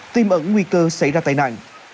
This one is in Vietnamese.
tìm ẩn nguy cơ xảy ra tài nạn